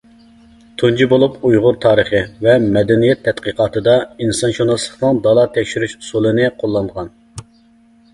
تۇنجى بولۇپ ئۇيغۇر تارىخ ۋە مەدەنىيەت تەتقىقاتىدا، ئىنسانشۇناسلىقنىڭ دالا تەكشۈرۈش ئۇسۇلىنى قوللانغان.